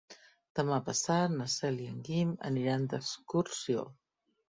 Demà passat na Cel i en Guim aniran d'excursió.